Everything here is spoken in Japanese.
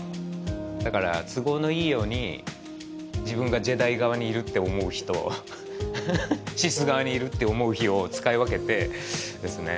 だから都合のいいように自分がジェダイ側にいるって思う日とシス側にいるって思う日を使い分けてですね